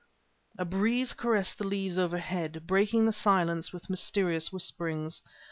A breeze caressed the leaves overhead, breaking the silence with mysterious whisperings.